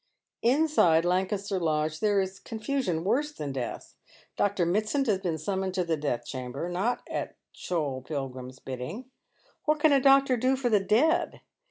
Inside Lancaster Lodge there is confusion worse than death. Dr. Mitsand has been summoned to the death chamber, not at Joel Pilgrim's bidding. What can a doctor do for the dead